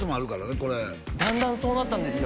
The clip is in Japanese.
これだんだんそうなったんですよ